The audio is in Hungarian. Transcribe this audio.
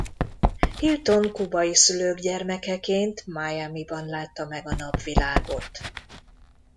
Hilton kubai szülők gyermekeként Miamiban látta meg a napvilágot.